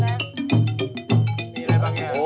นี่มีอะไรบางอย่าง